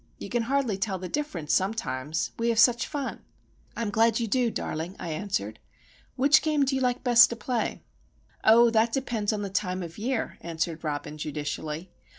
You can hardly tell the difference, sometimes! We have such fun." "I'm glad you do, darling," I answered. "Which game do you like best to play?" "Oh, that depends on the time of year," answered Robin, judicially.